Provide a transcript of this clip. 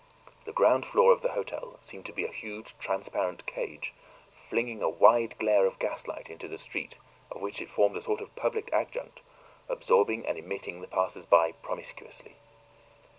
The ground floor of the hotel seemed to be a huge transparent cage, flinging a wide glare of gaslight into the street, of which it formed a sort of public adjunct, absorbing and emitting the passersby promiscuously.